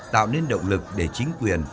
tạo nên động lực để chính quyền